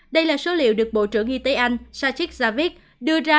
đây là số liệu được bộ trưởng y tế anh sachit javid đưa ra